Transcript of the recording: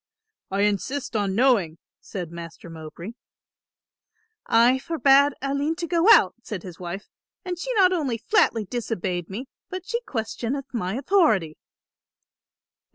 "I insist on knowing," said Master Mowbray. "I forbade Aline to go out," said his wife, "and she not only flatly disobeyed me, but she questioneth my authority."